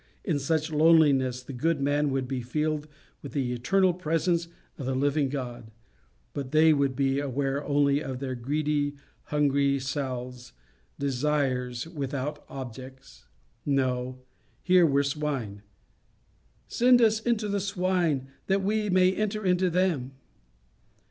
In such loneliness the good man would be filled with the eternal presence of the living God; but they would be aware only of their greedy, hungry selves desires without objects. No. Here were swine. "Send us into the swine, that we may enter into them."